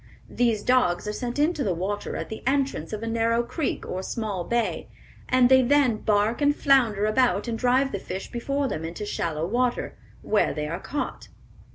These dogs are sent into the water at the entrance of a narrow creek or small bay, and they then bark and flounder about and drive the fish before them into shallow water, where they are caught."